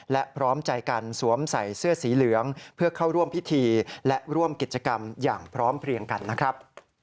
และพร้อมใจกันสวมใส่เสื้อสีเหลืองเพื่อเข้าร่วมพิธีและร่วมกิจกรรมอย่างพร้อมเพลียงกันนะครับ